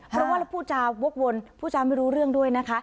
เพราะว่าแล้วพูดจาวกวนผู้จาไม่รู้เรื่องด้วยนะคะ